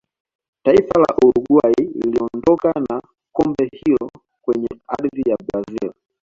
taifa la uruguay liliondoka na kombe hilo kwenye ardhi ya brazil